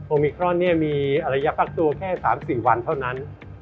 มิครอนมีระยะฟักตัวแค่๓๔วันเท่านั้น